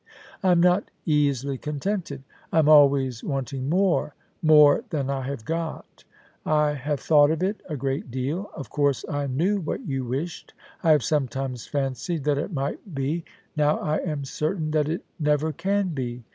I am not easily contented. I am always wanting more — more than I have got I have thought of it a great deal ; of course I knew what you wished. I have sometimes fancied that it might be — now I am certain that it never can be.